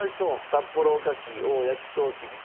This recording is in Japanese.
札幌おかきＯｈ！焼とうきびと。